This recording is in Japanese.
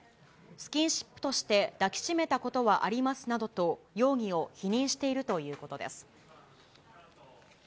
スキンシップとして抱き締めたことはありますなどと、容疑を否認しているということです。